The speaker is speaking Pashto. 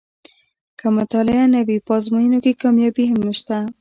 که مطالعه نه وي په ازموینو کې کامیابي هم نشته.